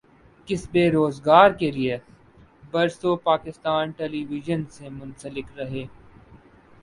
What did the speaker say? کسبِ روزگارکے لیے برسوں پاکستان ٹیلی وژن سے منسلک رہے